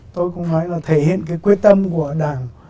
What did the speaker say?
tôi cũng nói là thể hiện cái quyết tâm của đảng